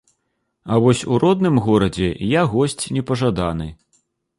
А вось у родным горадзе я госць непажаданы.